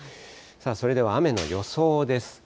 それでは雨の予想です。